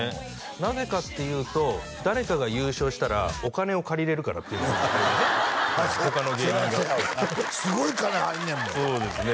なぜかっていうと誰かが優勝したらお金を借りれるからっていう他の芸人がそりゃそうやろうなすごい金入るねんもんそうですね